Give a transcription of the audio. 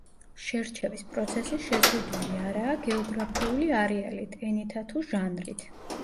შერჩევის პროცესი შეზღუდული არაა გეოგრაფიული არეალით, ენითა თუ ჟანრით.